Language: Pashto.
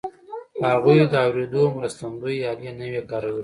هغوی د اورېدو مرستندويي الې نه وې کارولې